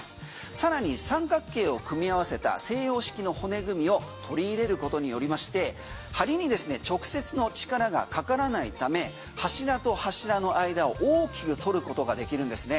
更に三角形を組み合わせた西洋式の骨組みを取り入れることによりましてはりに直接の力がかからないため柱と柱の間を大きく取ることができるんですね。